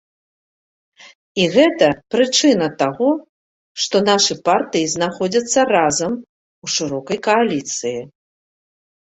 І гэта прычына таго, што нашы партыі знаходзяцца разам у шырокай кааліцыі.